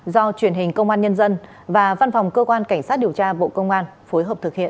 do truyền hình công an nhân dân và văn phòng cơ quan cảnh sát điều tra bộ công an phối hợp thực hiện